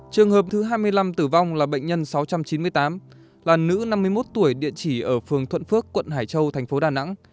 trường hợp thứ hai mươi năm tử vong là bệnh nhân sáu trăm chín mươi tám là nữ năm mươi một tuổi địa chỉ ở phường thuận phước quận hải châu thành phố đà nẵng